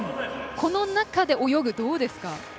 この中で泳ぐどうですか？